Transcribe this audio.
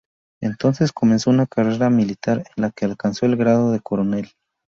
Entonces comenzó una carrera militar en la que alcanzó el grado de coronel.